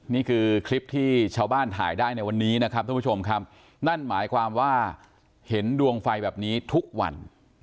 นี่คือคลิปที่ชาวบ้านถ่ายได้ในวันนี้นะครับทุกผู้ชมครับนั่นหมายความว่าเห็นดวงไฟแบบนี้ทุกวัน